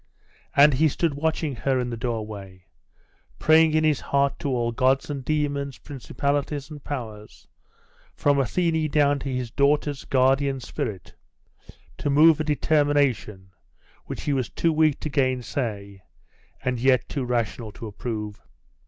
And he stood watching her in the doorway, praying in his heart to all gods and demons, principalities and powers, from Athene down to his daughter's guardian spirit, to move a determination which he was too weak to gainsay, and yet too rational to approve.